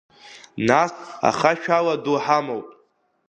Нас ахашәала ду ҳамоуп.